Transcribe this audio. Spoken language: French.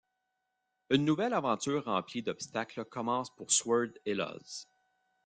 Une nouvelle aventure remplie d'obstacles commence pour Sword et Ios.